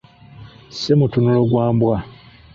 Ssemutunulo gwa mbwa, …